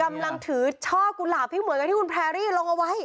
กำลังถือช่อกุหลาบที่เหมือนกับที่คุณแพรรี่ลงเอาไว้